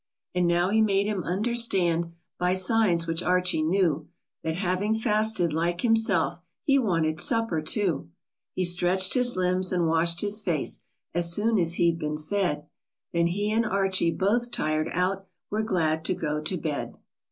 And now he made him understand By signs which Archie knew, That, having fasted like himself, He wanted supper too. He stretch'd his limbs, and washed his face, As soon as he'd been fed, Then he and Archie, both tired out, Were glad to go to bed.